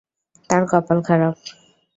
তার কপাল খারাপ।